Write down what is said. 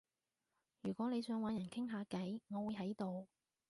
如果你想搵人傾下偈，我會喺度